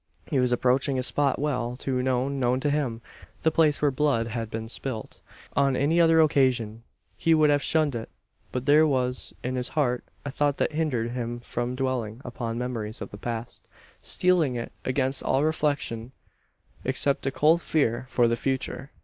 He was approaching a spot well, too well, known to him the place where blood had been spilt. On any other occasion he would have shunned it; but there was in his heart a thought that hindered him from dwelling upon memories of the past steeling it against all reflection, except a cold fear for the future.